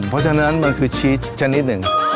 เพราะฉะนั้นมันคือชีสชนิดหนึ่ง